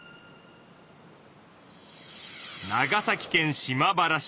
長崎県島原市。